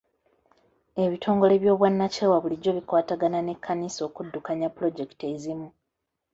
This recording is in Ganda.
Ebitongole by'obwannakyewa bulijjo bikwatagana n'ekkanisa okuddukanya pulojekiti ezimu.